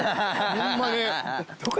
ホンマに。